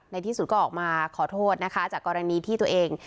ในที่สุดก็ออกมาขอโทษนะคะจากกรณีที่ตัวเอง